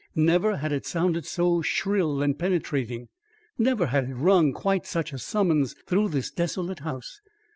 Never had it sounded so shrill and penetrating. Never had it rung quite such a summons through this desolate house.